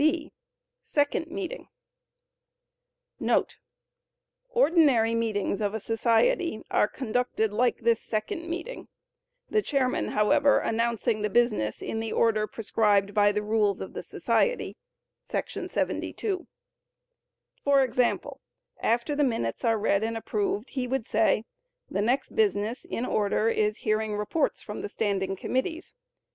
(b) Second Meeting.* [Ordinary meetings of a society are conducted like this second meeting, the chairman, however, announcing the business in the order prescribed by the rules of the society [§ 72]. For example, after the minutes are read and approved, he would say, "The next business in order is hearing reports from the standing committees."